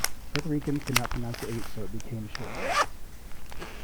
Puerto Ricans could not pronounce the 'h' so it became short eyes.